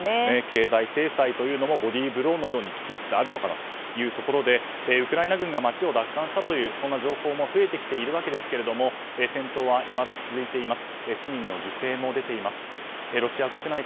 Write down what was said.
経済制裁もボディーブローのように効きつつあるのかなというところでウクライナ軍が街を奪還したという情報も増えてきているわけですが戦闘はいまだ続いています。